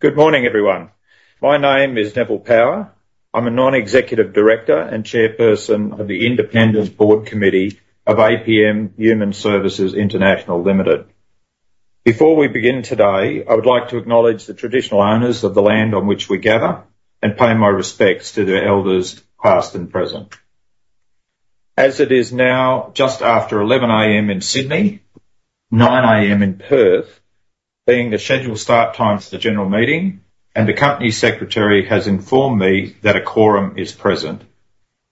Good morning, everyone. My name is Neville Power. I'm a non-executive director and chairperson of the Independent Board Committee of APM Human Services International Limited. Before we begin today, I would like to acknowledge the traditional owners of the land on which we gather and pay my respects to the elders, past and present. As it is now just after 11:00 A.M. in Sydney, 9:00 A.M. in Perth, being the scheduled start times for the general meeting, and the Company Secretary has informed me that a quorum is present,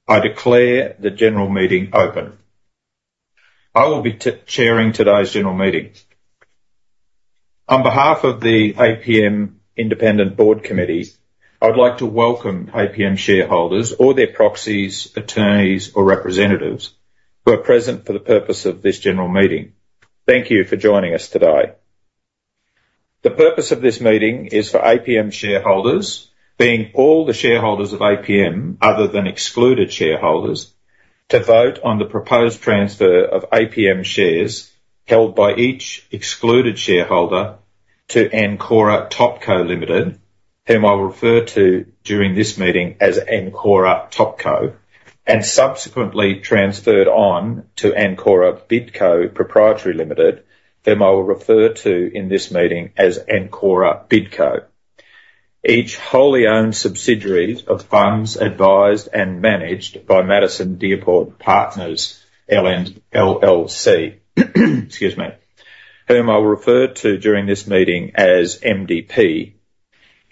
I declare the general meeting open. I will be chairing today's general meeting. On behalf of the APM Independent Board Committee, I'd like to welcome APM shareholders or their proxies, attorneys, or representatives who are present for the purpose of this general meeting. Thank you for joining us today. The purpose of this meeting is for APM shareholders, being all the shareholders of APM, other than excluded shareholders, to vote on the proposed transfer of APM shares held by each excluded shareholder to Ancora TopCo Limited, whom I'll refer to during this meeting as Ancora TopCo, and subsequently transferred on to Ancora BidCo Proprietary Limited, whom I will refer to in this meeting as Ancora BidCo. Each wholly owned subsidiaries of funds advised and managed by Madison Dearborn Partners, LLC.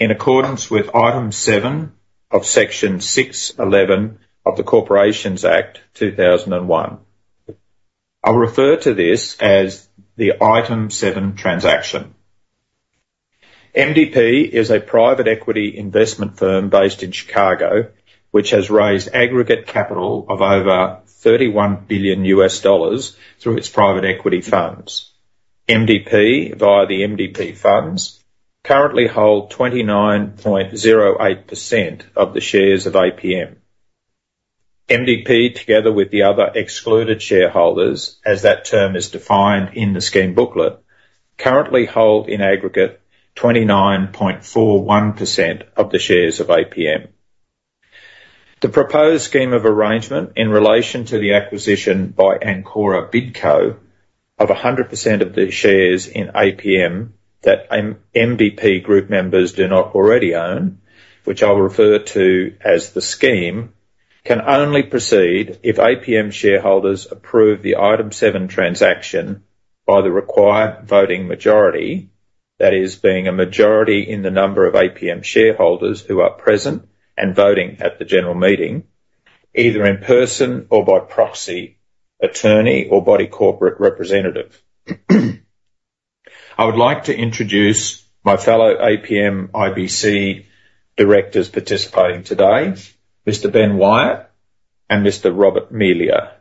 In accordance with Item 7 of Section 611 of the Corporations Act 2001. I'll refer to this as the Item 7 transaction. MDP is a private equity investment firm based in Chicago, which has raised aggregate capital of over $31 billion through its private equity funds. MDP, via the MDP funds, currently hold 29.08% of the shares of APM. MDP, together with the other excluded shareholders, as that term is defined in the Scheme Booklet, currently hold in aggregate 29.41% of the shares of APM. The proposed scheme of arrangement in relation to the acquisition by Ancora BidCo of 100% of the shares in APM that MDP group members do not already own, which I'll refer to as the scheme, can only proceed if APM shareholders approve the Item 7 transaction by the required voting majority. That is, being a majority in the number of APM shareholders who are present and voting at the general meeting, either in person or by proxy, attorney, or body corporate representative. I would like to introduce my fellow APM IBC directors participating today, Mr. Ben Wyatt and Mr. Robert Melia.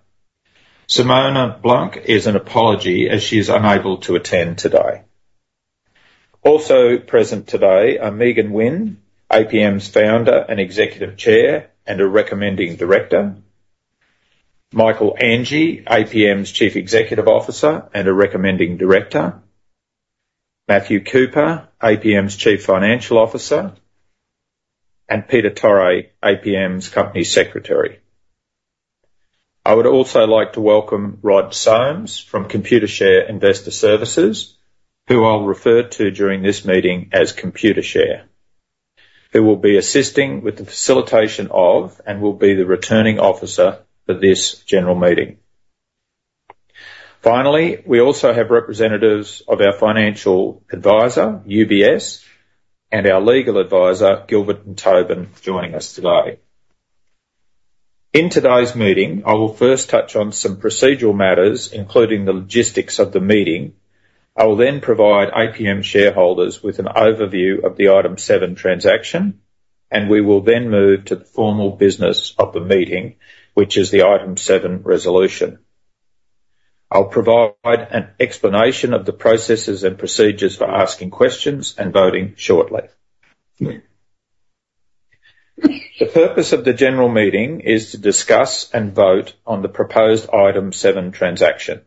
Simone Blank is an apology, as she is unable to attend today. Also present today are Megan Wynne, APM's founder and Executive Chair, and a recommending director, Michael Anghie, APM's Chief Executive Officer and a recommending director, Matthew Cooper, APM's Chief Financial Officer, and Peter Torre, APM's Company Secretary. I would also like to welcome Rod Somes from Computershare Investor Services, who I'll refer to during this meeting as Computershare, who will be assisting with the facilitation of and will be the Returning Officer for this general meeting. Finally, we also have representatives of our financial advisor, UBS, and our legal advisor, Gilbert + Tobin, joining us today. In today's meeting, I will first touch on some procedural matters, including the logistics of the meeting. I will then provide APM shareholders with an overview of the Item 7 transaction, and we will then move to the formal business of the meeting, which is the Item 7 resolution. I'll provide an explanation of the processes and procedures for asking questions and voting shortly. The purpose of the general meeting is to discuss and vote on the proposed Item 7 transaction.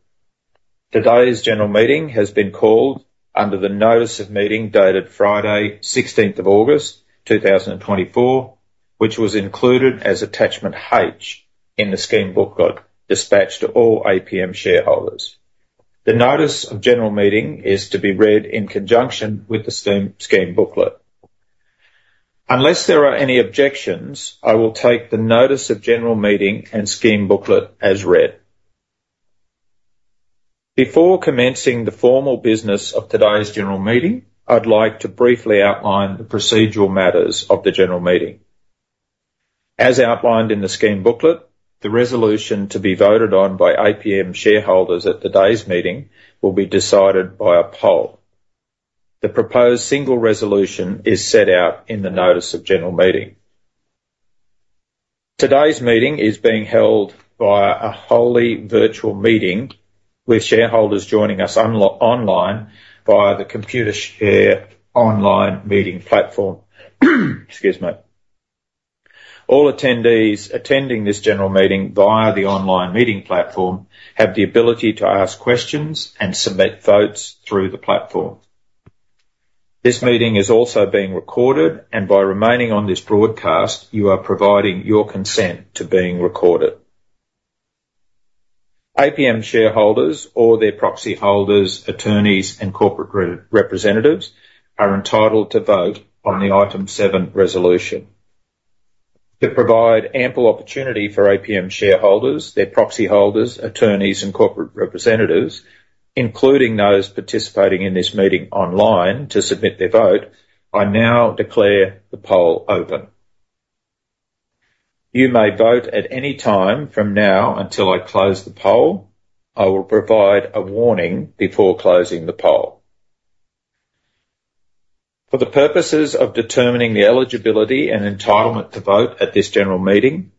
Today's general meeting has been called under the Notice of General Meeting, dated Friday, 16th of August, 2024, which was included as Attachment H in the Scheme Booklet dispatched to all APM shareholders. The Notice of General Meeting is to be read in conjunction with the Scheme Booklet. Unless there are any objections, I will take the Notice of General Meeting and Scheme Booklet as read. Before commencing the formal business of today's general meeting, I'd like to briefly outline the procedural matters of the general meeting. As outlined in the Scheme Booklet, the resolution to be voted on by APM shareholders at today's meeting will be decided by a poll. The proposed single resolution is set out in the Notice of General Meeting. Today's meeting is being held via a wholly virtual meeting, with shareholders joining us online via the Computershare Online Meeting Platform. Excuse me. All attendees attending this general meeting via the online meeting platform have the ability to ask questions and submit votes through the platform. This meeting is also being recorded, and by remaining on this broadcast, you are providing your consent to being recorded. APM shareholders or their proxy holders, attorneys, and corporate representatives are entitled to vote on the Item 7 resolution. To provide ample opportunity for APM shareholders, their proxy holders, attorneys, and corporate representatives, including those participating in this meeting online, to submit their vote, I now declare the poll open. You may vote at any time from now until I close the poll. I will provide a warning before closing the poll. For the purposes of determining the eligibility and entitlement to vote at this general meeting,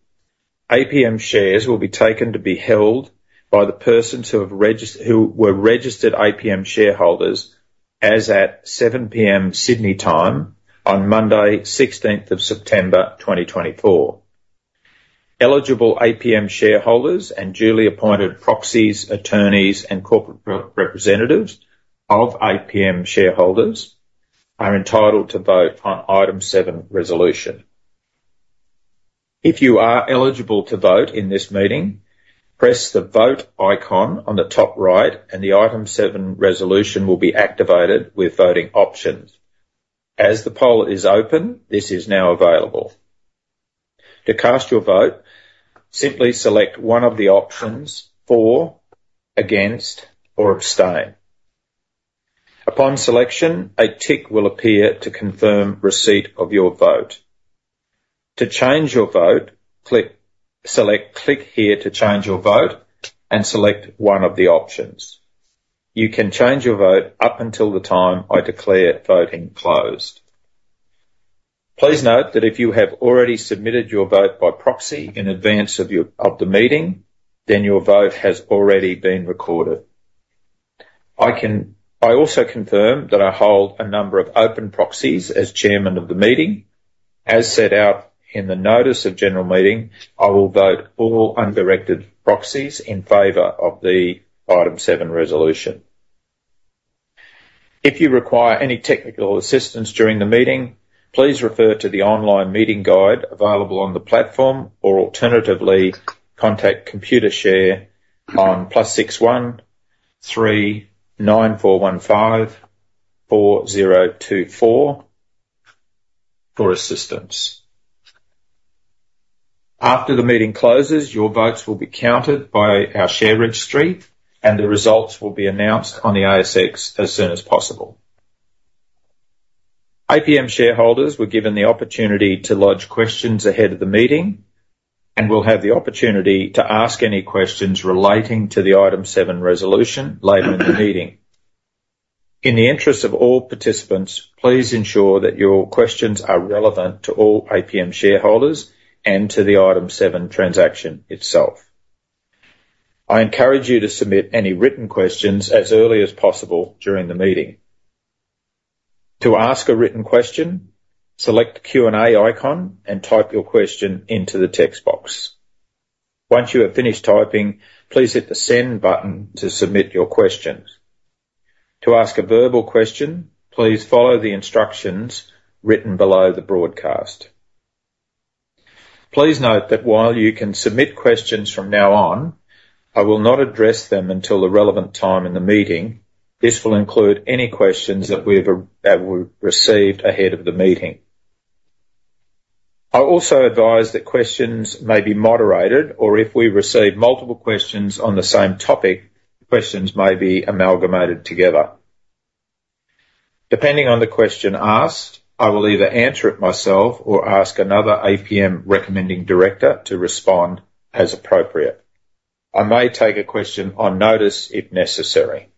APM shares will be taken to be held by the persons who were registered APM shareholders as at 7:00 P.M. Sydney time on Monday, 16th of September, 2024. Eligible APM shareholders and duly appointed proxies, attorneys, and corporate representatives of APM shareholders are entitled to vote Item 7 resolution. If you are eligible to vote in this meeting, press the Vote icon on the top right, and Item 7 resolution will be activated with voting options. As the poll is open, this is now available. To cast your vote, simply select one of the options: For, Against, or Abstain. Upon selection, a tick will appear to confirm receipt of your vote. To change your vote, click, select Click here to change your vote, and select one of the options. You can change your vote up until the time I declare voting closed. Please note that if you have already submitted your vote by proxy in advance of the meeting, then your vote has already been recorded. I also confirm that I hold a number of open proxies as chairman of the meeting. As set out in the Notice of General Meeting, I will vote all undirected proxies in favor of Item 7 resolution. If you require any technical assistance during the meeting, please refer to the online meeting guide available on the platform, or alternatively, contact Computershare on +61394154024 for assistance. After the meeting closes, your votes will be counted by our share registry, and the results will be announced on the ASX as soon as possible. APM shareholders were given the opportunity to lodge questions ahead of the meeting and will have the opportunity to ask any questions relating to Item 7 resolution later in the meeting. In the interest of all participants, please ensure that your questions are relevant to all APM shareholders and to Item 7 transaction itself. I encourage you to submit any written questions as early as possible during the meeting. To ask a written question, select the Q&A icon and type your question into the text box. Once you have finished typing, please hit the Send button to submit your questions. To ask a verbal question, please follow the instructions written below the broadcast. Please note that while you can submit questions from now on, I will not address them until the relevant time in the meeting. This will include any questions that we've received ahead of the meeting. I also advise that questions may be moderated, or if we receive multiple questions on the same topic, questions may be amalgamated together. Depending on the question asked, I will either answer it myself or ask another APM recommending director to respond as appropriate. I may take a question on notice if necessary.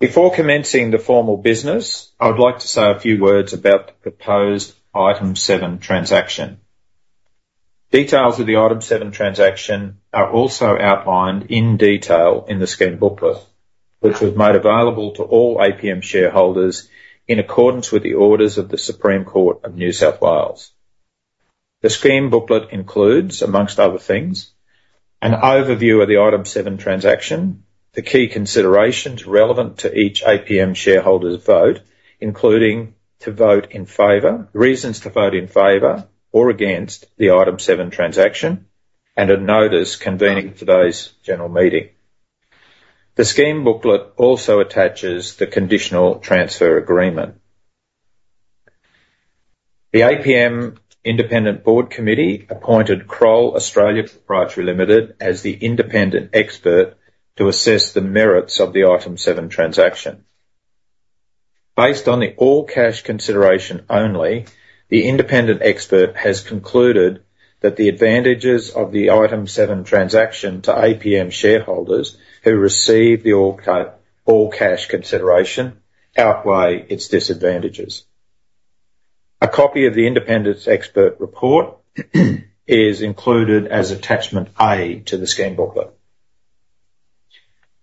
Before commencing the formal business, I would like to say a few words about the Item 7 transaction. Details of Item 7 transaction are also outlined in detail in the Scheme Booklet, which was made available to all APM shareholders in accordance with the orders of the Supreme Court of New South Wales. The Scheme Booklet includes, among other things, an overview of Item 7 transaction, the key considerations relevant to each APM shareholder's vote, including reasons to vote in favor or against Item 7 transaction, and a notice convening today's general meeting. The Scheme Booklet also attaches the conditional transfer agreement. The APM Independent Board Committee appointed Kroll Australia Pty Ltd as the independent expert to assess the merits of Item 7 transaction. Based on the all-cash consideration only, the independent expert has concluded that the advantages of Item 7 transaction to APM shareholders who receive the all-cash consideration outweigh its disadvantages. A copy of the Independent Expert's Report is included as Attachment A to the Scheme Booklet.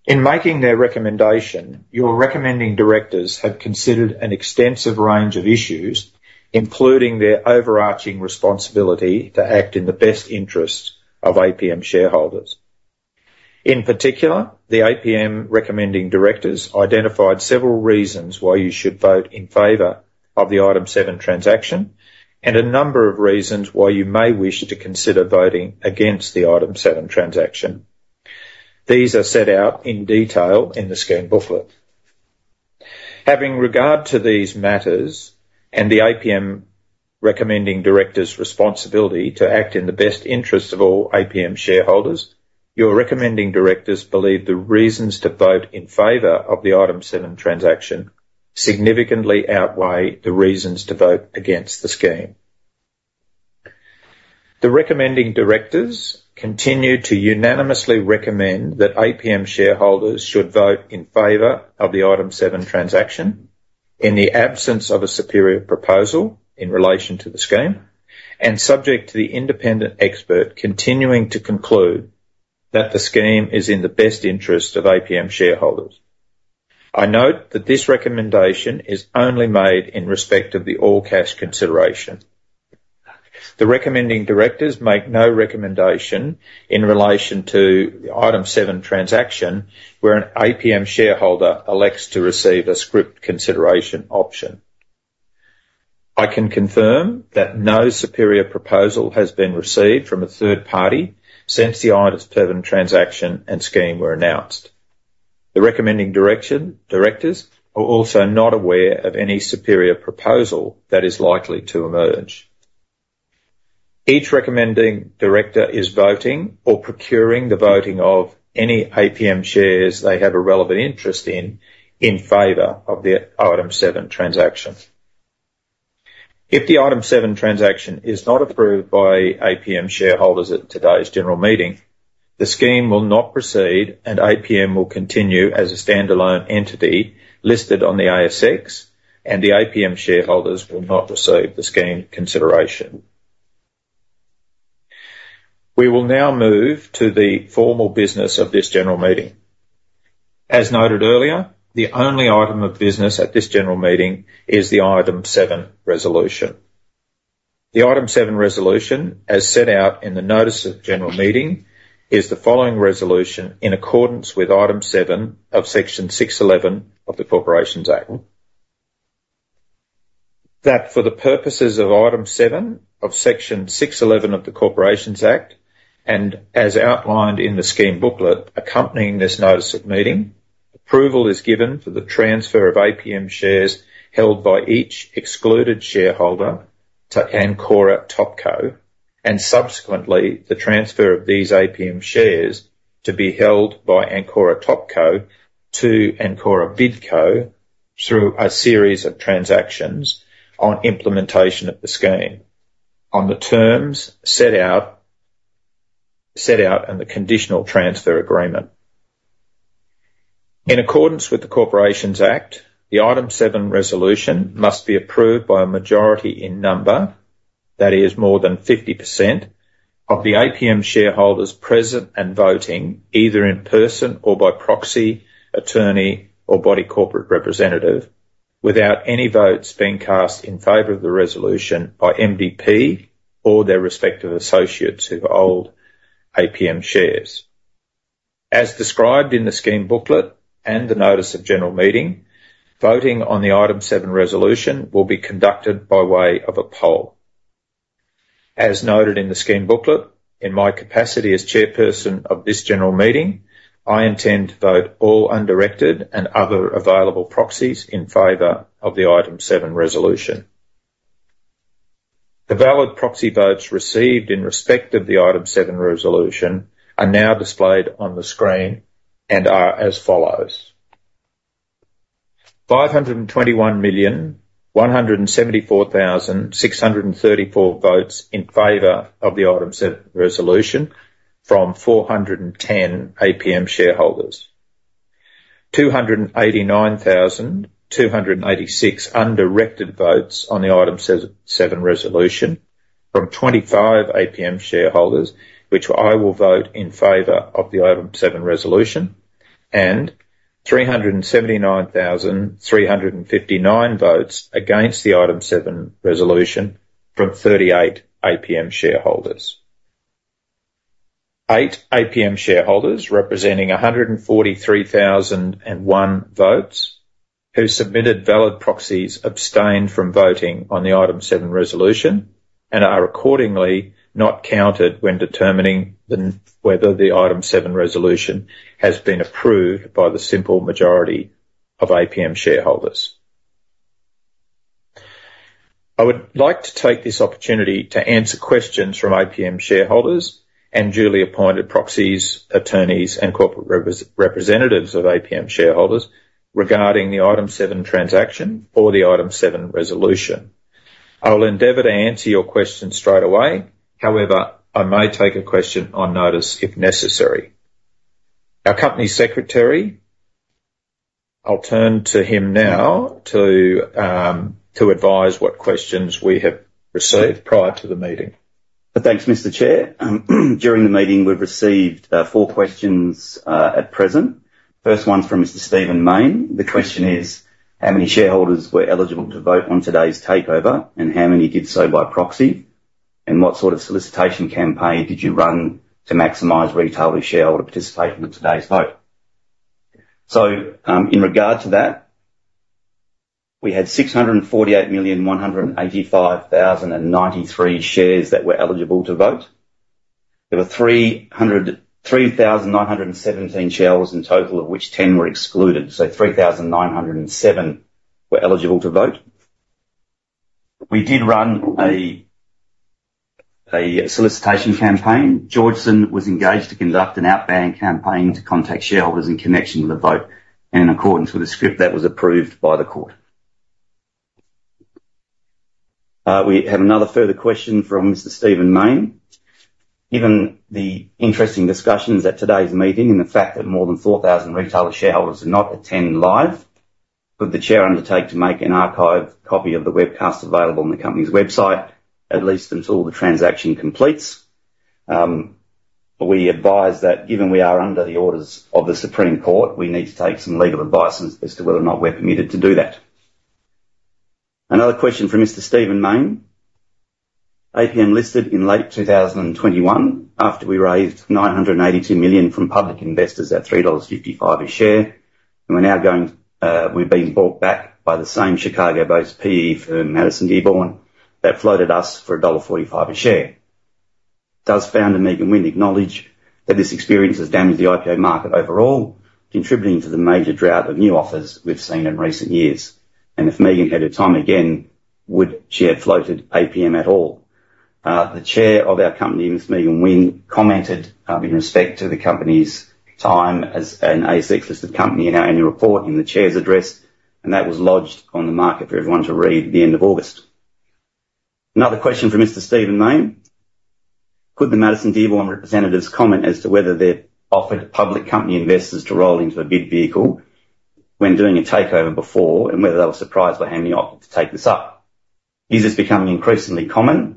In making their recommendation, your recommending directors have considered an extensive range of issues, including their overarching responsibility to act in the best interest of APM shareholders. In particular, the APM recommending directors identified several reasons why you should vote in favor of Item 7 transaction, and a number of reasons why you may wish to consider voting against Item 7 transaction. These are set out in detail in the Scheme Booklet. Having regard to these matters and the APM recommending directors' responsibility to act in the best interest of all APM shareholders, your recommending directors believe the reasons to vote in favor of the Item 7 transaction significantly outweigh the reasons to vote against the scheme. The recommending directors continue to unanimously recommend that APM shareholders should vote in favor of the Item 7 transaction in the absence of a superior proposal in relation to the scheme, and subject to the independent expert continuing to conclude that the scheme is in the best interest of APM shareholders. I note that this recommendation is only made in respect of the all-cash consideration. The recommending directors make no recommendation in relation to the Item 7 transaction, where an APM shareholder elects to receive a scrip consideration option. I can confirm that no superior proposal has been received from a third party since Item 7 transaction and scheme were announced. The recommending directors are also not aware of any superior proposal that is likely to emerge. Each recommending director is voting or procuring the voting of any APM shares they have a relevant interest in, in favor of Item 7 transaction. If Item 7 transaction is not approved by APM shareholders at today's general meeting, the scheme will not proceed, and APM will continue as a standalone entity listed on the ASX, and the APM shareholders will not receive the scheme consideration. We will now move to the formal business of this general meeting. As noted earlier, the only item of business at this general meeting is Item 7 resolution. Item 7 resolution, as set out in the Notice of General Meeting, is the following resolution in accordance Item 7 of Section 611 of the Corporations Act. That for the purposes Item 7 of Section 611 of the Corporations Act, and as outlined in the Scheme Booklet accompanying this notice of meeting, approval is given for the transfer of APM shares held by each excluded shareholder to Ancora TopCo, and subsequently, the transfer of these APM shares to be held by Ancora TopCo to Ancora BidCo through a series of transactions on implementation of the scheme, on the terms set out in the conditional transfer agreement. In accordance with the Corporations Act, Item 7 resolution must be approved by a majority in number, that is more than 50% of the APM shareholders present and voting, either in person or by proxy, attorney, or body corporate representative, without any votes being cast in favor of the resolution by MDP or their respective associates who hold APM shares. As described in the Scheme Booklet and the Notice of General Meeting, voting on Item 7 resolution will be conducted by way of a poll. As noted in the Scheme Booklet, in my capacity as chairperson of this general meeting, I intend to vote all undirected and other available proxies in favor of Item 7 resolution. The valid proxy votes received in respect of the Item 7 resolution are now displayed on the screen and are as follows: 521,174,634 votes in favor of the Item 7 resolution from 410 APM shareholders. 289,286 undirected votes on the Item 7 resolution from 25 APM shareholders, which I will vote in favor of the Item 7 resolution, and 379,359, 359 votes against the Item 7 resolution from 38 APM shareholders. Eight APM shareholders, representing 143,001 votes, who submitted valid proxies, abstained from voting on the Item 7 resolution and are accordingly not counted when determining the, whether the Item 7 resolution has been approved by the simple majority of APM shareholders. I would like to take this opportunity to answer questions from APM shareholders and duly appointed proxies, attorneys, and corporate representatives of APM shareholders regarding Item 7 transaction or Item 7 resolution. I will endeavor to answer your question straight away. However, I may take a question on notice if necessary. Our company secretary. I'll turn to him now to advise what questions we have received prior to the meeting. Thanks, Mr. Chair. During the meeting, we've received four questions at present. First one's from Mr. Stephen Mayne. The question is: How many shareholders were eligible to vote on today's takeover, and how many did so by proxy? And what sort of solicitation campaign did you run to maximize retailer shareholder participation in today's vote? So, in regard to that, we had 648,185,093 shares that were eligible to vote. There were 3,917 shareholders in total, of which ten were excluded, so 3,917 were eligible to vote. We did run a solicitation campaign. Georgeson was engaged to conduct an outbound campaign to contact shareholders in connection with the vote and in accordance with a script that was approved by the court. We have another further question from Mr. Stephen Mayne: Given the interesting discussions at today's meeting and the fact that more than 4,000 retail shareholders did not attend live, could the Chair undertake to make an archive copy of the webcast available on the company's website, at least until the transaction completes? We advise that given we are under the orders of the Supreme Court, we need to take some legal advice as to whether or not we're permitted to do that. Another question from Mr. Stephen Mayne: APM listed in late 2021 after we raised AUD 982 million from public investors at AUD 3.55 a share, and we're now being bought back by the same Chicago-based PE firm, Madison Dearborn, that floated us for dollar 1.45 a share. Does founder Megan Wynne acknowledge that this experience has damaged the IPO market overall, contributing to the major drought of new offers we've seen in recent years? And if Megan had her time again, would she have floated APM at all? The chair of our company, Ms. Megan Wynne, commented in respect to the company's time as an ASX-listed company in our annual report in the chair's address, and that was lodged on the market for everyone to read at the end of August. Another question from Mr. Stephen Mayne: Could the Madison Dearborn representatives comment as to whether they've offered public company investors to roll into a bid vehicle when doing a takeover before, and whether they were surprised by how many opted to take this up? Is this becoming increasingly common,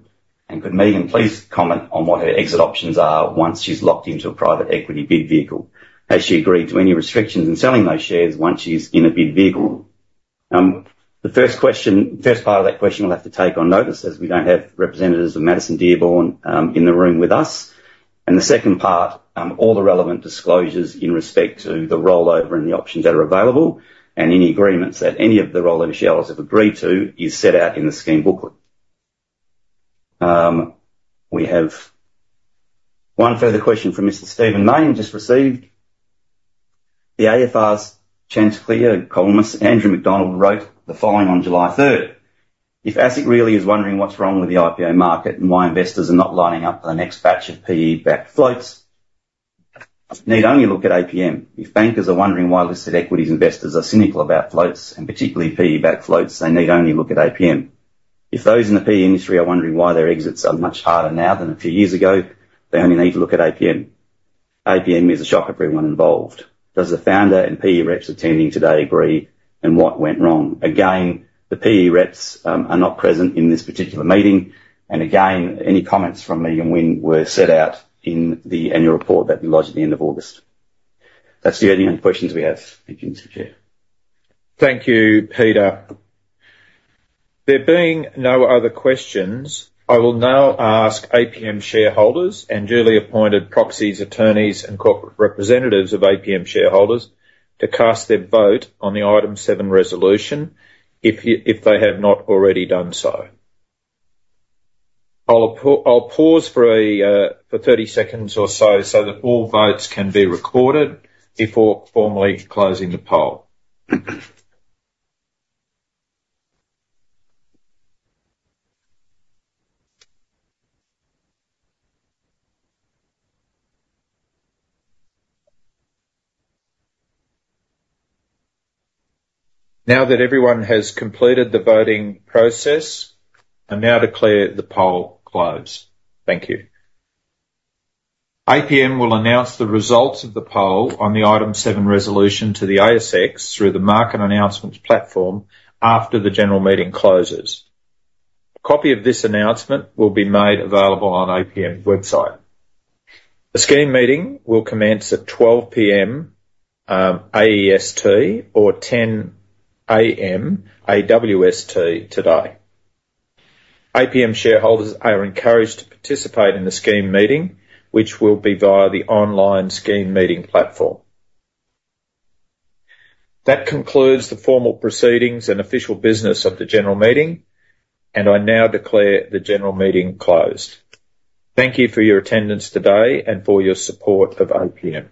and could Megan please comment on what her exit options are once she's locked into a private equity bid vehicle? Has she agreed to any restrictions in selling those shares once she's in a bid vehicle? The first question, first part of that question I'll have to take on notice, as we don't have representatives of Madison Dearborn in the room with us, and the second part, all the relevant disclosures in respect to the rollover and the options that are available, and any agreements that any of the rollover shareholders have agreed to, is set out in the Scheme Booklet. We have one further question from Mr. Stephen Mayne, just received: The AFR's Chanticleer columnist, Anthony Macdonald, wrote the following on July 3rd, "If ASIC really is wondering what's wrong with the IPO market and why investors are not lining up for the next batch of PE-backed floats, need only look at APM. If bankers are wondering why listed equities investors are cynical about floats, and particularly PE-backed floats, they need only look at APM. If those in the PE industry are wondering why their exits are much harder now than a few years ago, they only need to look at APM. APM is a shock to everyone involved." Does the founder and PE reps attending today agree, and what went wrong? Again, the PE reps are not present in this particular meeting. And again, any comments from Megan Wynne were set out in the annual report that we lodged at the end of August. That's the only questions we have. Thank you, Mr. Chair. Thank you, Peter. There being no other questions, I will now ask APM shareholders and duly appointed proxies, attorneys, and corporate representatives of APM shareholders to cast their vote on Item 7 resolution if they have not already done so. I'll pause for a, for 30 seconds or so, so that all votes can be recorded before formally closing the poll. Now that everyone has completed the voting process, I now declare the poll closed. Thank you. APM will announce the results of the poll on Item 7 resolution to the ASX through the Market Announcements Platform after the general meeting closes. A copy of this announcement will be made available on APM's website. The scheme meeting will commence at 12:00 P.M. AEST or 10:00 A.M. AWST today. APM shareholders are encouraged to participate in the scheme meeting, which will be via the online scheme meeting platform. That concludes the formal proceedings and official business of the general meeting, and I now declare the general meeting closed. Thank you for your attendance today and for your support of APM.